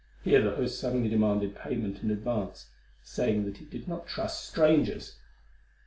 Here the host suddenly demanded payment in advance, saying that he did not trust strangers.